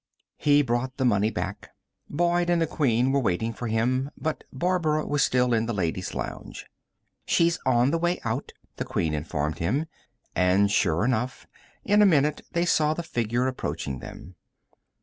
He brought the money back. Boyd and the Queen were waiting for him, but Barbara was still in the ladies' lounge. "She's on the way out," the Queen informed him, and, sure enough, in a minute they saw the figure approaching them.